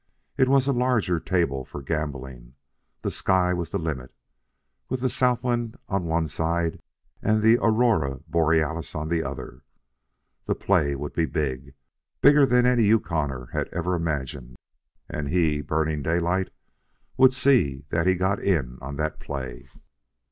It was a larger table for gambling. The limit was the sky, with the Southland on one side and the aurora borealis on the other. The play would be big, bigger than any Yukoner had ever imagined, and he, Burning Daylight, would see that he got in on that play.